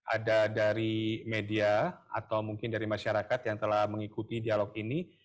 ada dari media atau mungkin dari masyarakat yang telah mengikuti dialog ini